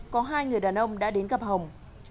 có hai người đàn ông đã đến gặp hồng